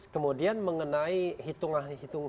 kemudian mengenai hitungan hitungan